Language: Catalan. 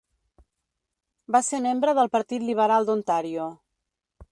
Va ser membre del Partit Liberal d'Ontario.